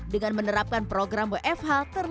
dengan menerapkan program wfh